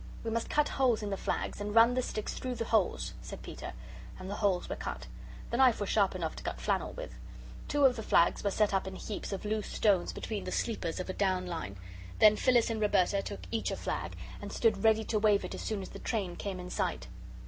"We must cut holes in the flags, and run the sticks through the holes," said Peter. And the holes were cut. The knife was sharp enough to cut flannel with. Two of the flags were set up in heaps of loose stones between the sleepers of the down line. Then Phyllis and Roberta took each a flag, and stood ready to wave it as soon as the train came in sight.